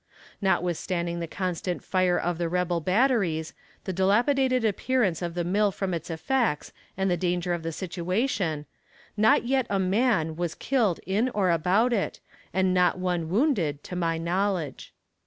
Notwithstanding the constant fire of the rebel batteries, the dilapidated appearance of the mill from its effects, and the danger of the situation, yet not a man was killed in or about it, and not one wounded, to my knowledge.